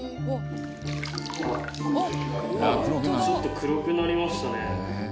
ちょっと黒くなりましたね。